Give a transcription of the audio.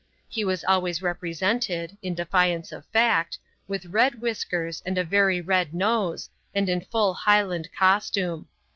He was always represented (in defiance of fact), with red whiskers, and a very red nose, and in full Highland costume.